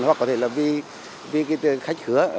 hoặc có thể là vì khách hứa